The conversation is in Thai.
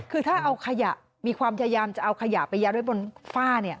คือถ้าเอาขยะมีความพยายามจะเอาขยะไปยัดไว้บนฝ้า